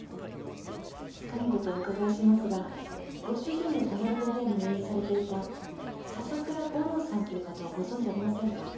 つかぬことをお伺いしますがご主人の隣の部屋に入院されていた笹倉吾郎さんという方をご存じありませんか？